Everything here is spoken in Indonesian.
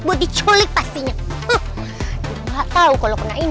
kepercayaan ya tante ya ya tajuk samping